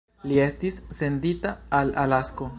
Li estis sendita al Alasko.